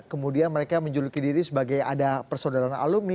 kemudian mereka menjuluki diri sebagai ada persaudaraan alumni